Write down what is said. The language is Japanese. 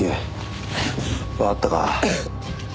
わかったか？